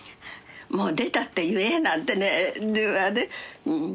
「もう出たって言え」なんてね電話で。